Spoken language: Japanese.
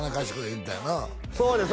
言うてたんよなそうです